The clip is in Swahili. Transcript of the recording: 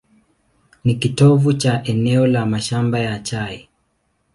Ni kitovu cha eneo la mashamba ya chai.